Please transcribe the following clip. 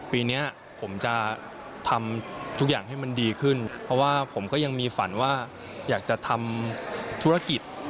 ปีนี้ผมจะทำทุกอย่างให้มันดีขึ้นเพราะว่าผมก็ยังมีฝันว่าอยากจะทำธุรกิจ